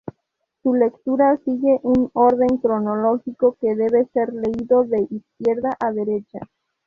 Su lectura sigue un orden cronológico, que debe ser leído de izquierda a derecha.